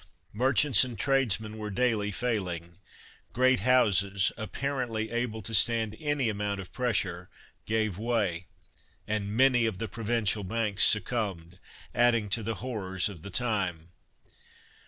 Merchants and tradesmen were daily failing. Great houses, apparently able to stand any amount of pressure, gave way, and many of the provincial banks succumbed, adding to the horrors of the time.